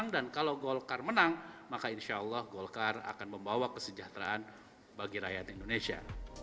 dan kalau golkar menang maka insyaallah golkar akan membawa kesejahteraan bagi rakyat indonesia